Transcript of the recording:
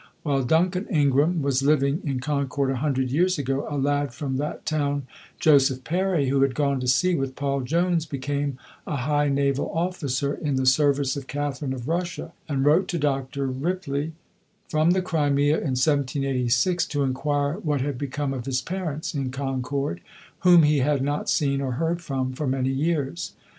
While Duncan Ingraham was living in Concord, a hundred years ago, a lad from that town, Joseph Perry, who had gone to sea with Paul Jones, became a high naval officer in the service of Catharine of Russia, and wrote to Dr. Ripley from the Crimea in 1786 to inquire what had become of his parents in Concord, whom he had not seen or heard from for many years.